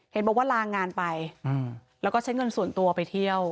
เห็นบอกว่าลางานไปแล้วก็ใช้เงินส่วนตัวไปเที่ยว